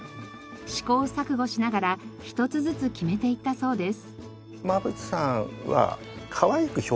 試行錯誤しながら一つずつ決めていったそうです。